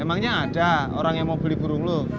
emangnya ada orang yang mau beli burung lo